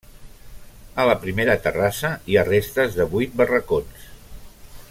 A la primera terrassa hi ha restes de vuit barracons.